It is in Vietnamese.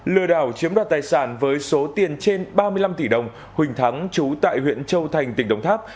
lừa đảo chiếm đoạt tài sản với số tiền trên ba mươi năm tỷ đồng huỳnh thắng chú tại huyện châu thành tỉnh đồng tháp